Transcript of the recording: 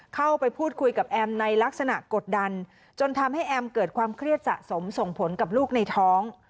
เข้าไปพูดคุยกับแอมในลักษณะกดดันจนทำให้แอมเกิดความเครียดสะสมส่งผลกับลูกในท้อง